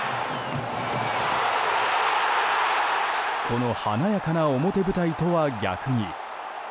この華やかな裏舞台とは逆に。